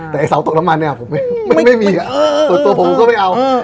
แต่ไอเสาตกน้ำมันเนี่ยผมไม่มีส่วนตัวผมก็ไม่เอา